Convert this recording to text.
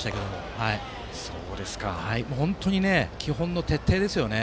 本当に基本の徹底ですね。